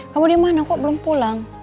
kamu dimana kok belum pulang